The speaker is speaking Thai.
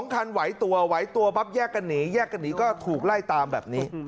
คันไหวตัวไหวตัวปั๊บแยกกันหนีแยกกันหนีก็ถูกไล่ตามแบบนี้